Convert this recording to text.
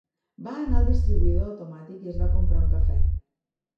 Va anar al distribuïdor automàtic i es va comprar un cafè.